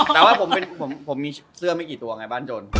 แต่ว่าผมมีเสื้อไม่กี่ตัวไงบ้านจน